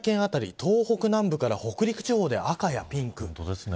東北南部から北陸地方で赤やピンク。